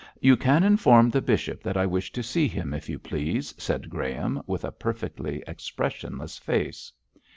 'You can inform the bishop that I wish to see him, if you please,' said Graham, with a perfectly expressionless face.